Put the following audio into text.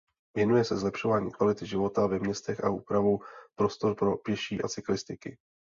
Věnuje se zlepšování kvality života ve městech a úpravou prostor pro pěší a cyklisty.